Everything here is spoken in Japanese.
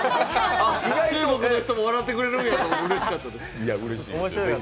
中国の人も笑ってくれるんやってうれしかったです。